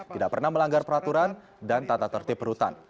tidak pernah melanggar peraturan dan tata tertib rutan